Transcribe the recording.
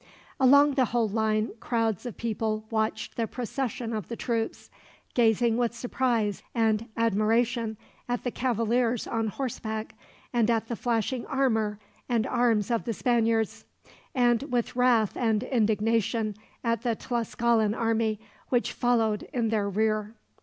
Along the whole line, crowds of people watched the procession of the troops; gazing with surprise and admiration at the cavaliers on horseback, and at the flashing armor and arms of the Spaniards; and with wrath and indignation at the Tlascalan army, which followed in their rear.